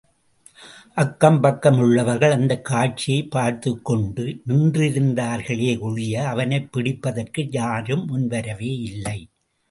அக்கம் பக்கம் உள்ளவர்கள் அந்தக் காட்சியைப் பார்த்துக் கொண்டு நின்றிருந்தார்களே ஒழிய, அவனைப் பிடிப்பதற்கு யாரும் முன்வரவே இல்லை.